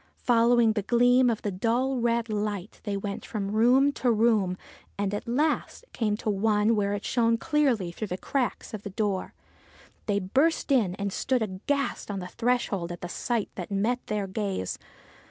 Following the gleam of the dull, red light, they went from room to room, and at last came to one where it shone clearly through the cracks of the door. They burst in, and stood aghast on the threshold at the sight that met their gaze.